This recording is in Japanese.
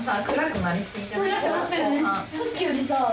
さっきよりさ